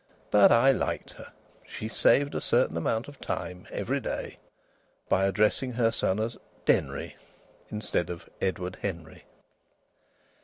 But I liked her. She saved a certain amount of time every day by addressing her son as Denry, instead of Edward Henry.